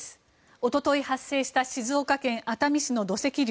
一昨日、発生した静岡県熱海市の土石流。